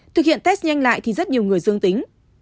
thực hiện test nhanh lại thì rất nhiều người dương tính